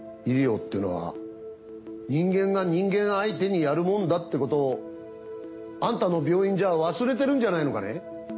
医療ってのは人間が人間相手にやるもんだってことをアンタの病院じゃ忘れてるんじゃないのかね。